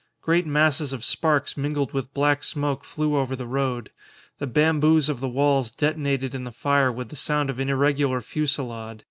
Great masses of sparks mingled with black smoke flew over the road; the bamboos of the walls detonated in the fire with the sound of an irregular fusillade.